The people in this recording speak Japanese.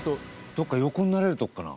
どこか横になれる所かな？